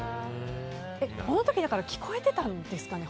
この時聞こえてたんですかね？